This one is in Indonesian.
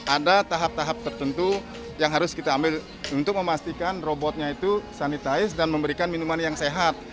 ada tahap tahap tertentu yang harus kita ambil untuk memastikan robotnya itu sanitize dan memberikan minuman yang sehat